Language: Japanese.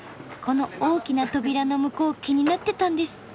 この大きな扉の向こう気になってたんです。